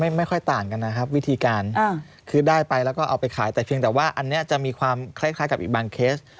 ไม่ค่อยต่างกันนะครับวิธีการคือได้ไปแล้วก็เอาไปขายแต่เพียงแต่ว่าอันนี้จะมีความคล้ายกับอีกบางเคส